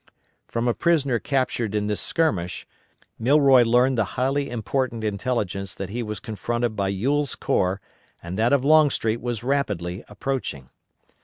From a prisoner captured in this skirmish Milroy learned the highly important intelligence that he was confronted by Ewell's corps and that Longstreet was rapidly approaching.